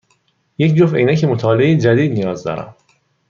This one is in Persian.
یک جفت عینک مطالعه جدید نیاز دارم.